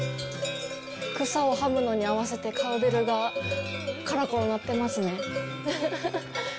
草をはむのに合わせてカウベルがカラコロ鳴ってますね。